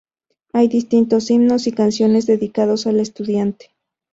Hay distintos himnos y canciones dedicados al estudiante.